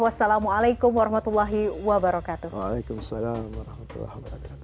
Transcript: wassalamualaikum warahmatullahi wabarakatuh